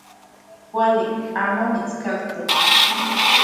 Kuali amo mitskaktok.